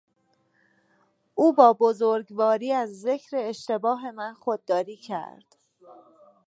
او با بزرگواری از ذکر اشتباه من خودداری کرد.